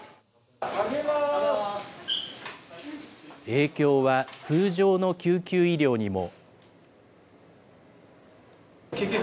影響は通常の救急医療にも。